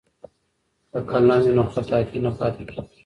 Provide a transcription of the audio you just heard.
که قلم وي نو خطاطي نه پاتې کیږي.